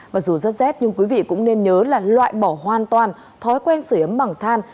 và dù rất rét nhưng quý vị cũng nên nhớ là loại bỏ hoàn toàn thói quen sửa ấm bằng than